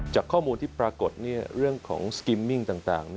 จากข้อมูลที่ปรากฏเรื่องของสกิมมิ่งต่าง